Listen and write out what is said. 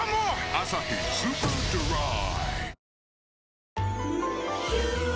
「アサヒスーパードライ」